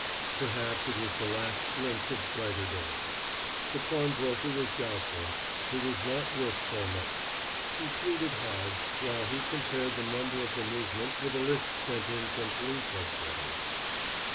Perhaps it was the last glimpse of brighter days. The pawnbroker was doubtful; it was not worth so much. She pleaded hard, while he compared the number of the movement with a list sent in from Police Headquarters.